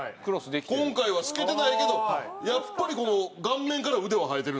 今回は透けてないけどやっぱりこの顔面から腕は生えてるんですね。